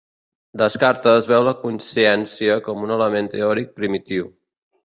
Descartes veu la consciència com un element teòric primitiu.